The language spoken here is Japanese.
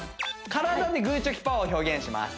体でグー・チョキ・パーを表現します